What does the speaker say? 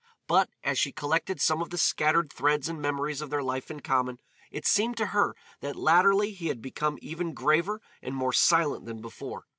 But as she collected some of the scattered threads and memories of their life in common, it seemed to her that latterly he had become even graver and more silent than before.